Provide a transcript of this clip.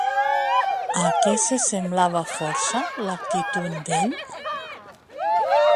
A què se semblava força l'actitud d'ell?